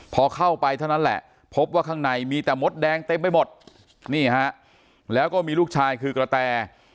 พอเข้าไปเท่านั้นแหละพบว่าข้างในมีแต่มดแดงเต็มไปหมดนี่ฮะแล้วก็มีลูกชายคือกระแต